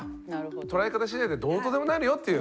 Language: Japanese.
捉え方しだいでどうとでもなるよっていう。